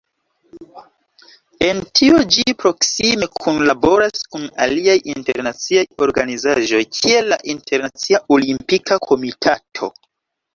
En tio ĝi proksime kunlaboras kun aliaj internaciaj organizaĵoj kiel la Internacia Olimpika Komitato.